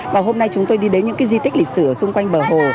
và hôm nay chúng tôi đi đến những cái di tích lịch sử ở xung quanh bờ hồ